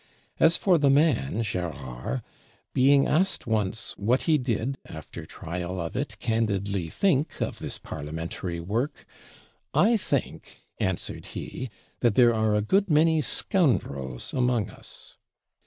As for the man Gérard, being asked once what he did, after trial of it, candidly think of this Parlementary work, "I think," answered he, "that there are a good many scoundrels among us."